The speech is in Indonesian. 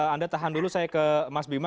anda tahan dulu saya ke mas bima